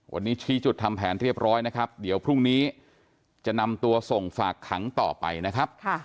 วันนี้ชี้จุดทำแผนเรียบร้อยนะครับเดี๋ยวพรุ่งนี้จะนำตัวส่งฝากขังต่อไปนะครับ